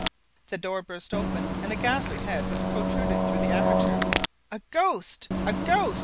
The door burst open, and a ghastly head was protruded through the aperture. "A ghost! a ghost!"